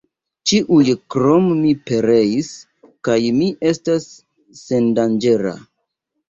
Ĉiuj krom mi pereis, kaj mi estas sendanĝera!